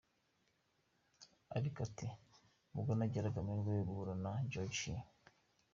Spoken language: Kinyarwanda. Ariko ati “Ubwo nagiraga amahirwe yo guhura na George H.